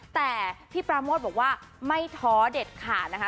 แต่พี่ปราโมทบอกว่าไม่ท้อเด็ดขาดนะคะ